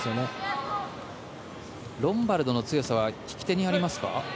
ロンバルドの強さは引き手にありますか。